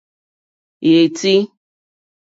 Yétì.